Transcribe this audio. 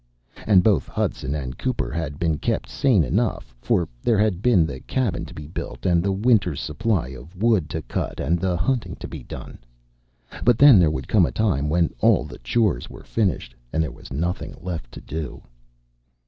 And both Hudson and Cooper had been kept sane enough, for there had been the cabin to be built and the winter's supply of wood to cut and the hunting to be done. But then there would come a time when all the chores were finished and there was nothing left to do.